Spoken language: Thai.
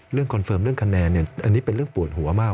คอนเฟิร์มเรื่องคะแนนอันนี้เป็นเรื่องปวดหัวมาก